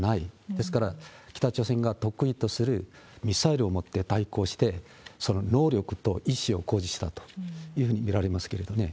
ですから、北朝鮮が得意とする、ミサイルをもって対抗して、その能力と意思を誇示したというふうに見られますけれどもね。